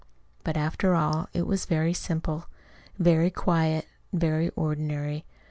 But, after all, it was very simple, very quiet, very ordinary.